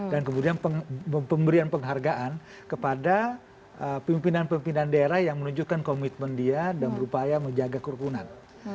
dan kemudian pemberian penghargaan kepada pimpinan pimpinan daerah yang menunjukkan komitmen dia dan berupaya menjaga kerupunan